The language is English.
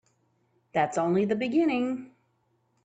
That's only the beginning.